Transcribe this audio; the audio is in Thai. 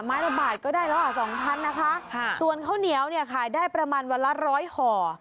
ไม้ละบาทก็ได้ละ๒๐๐๐นะคะส่วนข้าวเหนียวเนี่ยขายได้ประมาณวันละ๑๐๐ห่อ